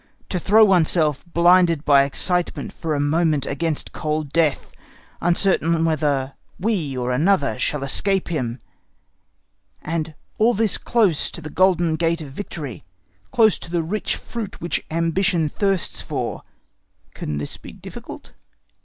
To throw oneself, blinded by excitement for a moment, against cold death, uncertain whether we or another shall escape him, and all this close to the golden gate of victory, close to the rich fruit which ambition thirsts for—can this be difficult?